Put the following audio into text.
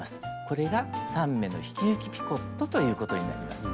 これが３目の引き抜きピコットということになります。